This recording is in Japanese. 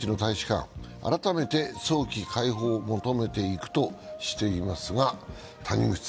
現地の大使館、改めて早期解放を求めていくとしています。